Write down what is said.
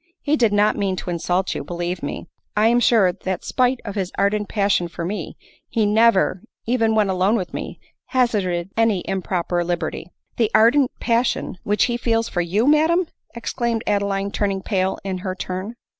He did not mean to insult you, believe me. 1 am sure, that spite of his ardent passion for me, he never, even when alone with me, hazarded any improper liberty." " The ardent passion which he feels for you madam !" exclaimed Adeline, turning pale in her turn.